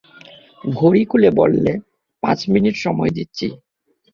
ঘড়ি খুলে বললে, পাঁচ মিনিট সময় দিচ্ছি।